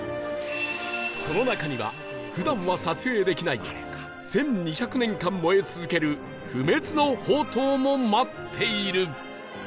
その中には普段は撮影できない１２００年間燃え続ける不滅の法灯も待っている